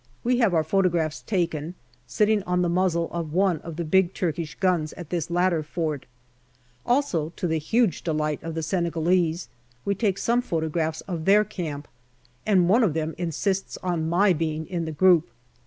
We have our photographs taken, sitting on the muzzle of one of the big Turkish guns at this latter fort ; also, to the huge delight of the Senegalese, we take some photographs of their camp, and one of them insists on my being in the group.